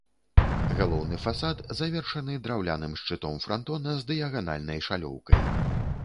Галоўны фасад завершаны драўляным шчытом франтона з дыяганальнай шалёўкай.